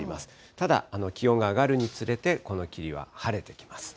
ただ、気温が上がるにつれて、この霧は晴れてきます。